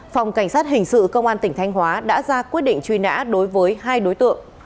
phòng cảnh sát hình sự công an tỉnh thanh hóa đã ra quyết định truy nã đối với hai đối tượng